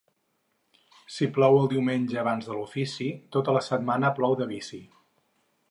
Si plou el diumenge abans de l'ofici, tota la setmana plou de vici.